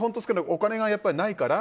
お金が本当にないから。